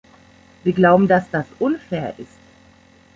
Wir glauben, dass das unfair ist.